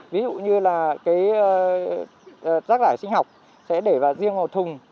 ví dụ như rác thải sinh học sẽ để vào riêng một thùng